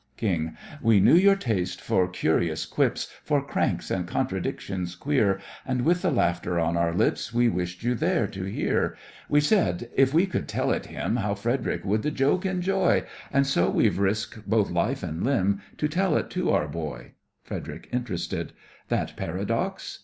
KING: We knew your taste for curious quips, For cranks and contradictions queer; And with the laughter on our lips, We wished you there to hear. We said, "If we could tell it him, How Frederic would the joke enjoy!" And so we've risked both life and limb To tell it to our boy. FREDERIC: (interested). That paradox?